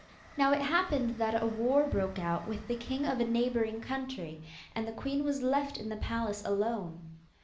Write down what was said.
Now it happened that a war broke out with the king of a neighbouring country, and the queen was left in the palace alone.